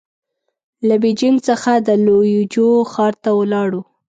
له بېجينګ څخه د ليوجو ښار ته ولاړو.